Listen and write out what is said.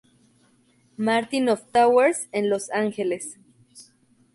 Martin of Tours en Los Ángeles.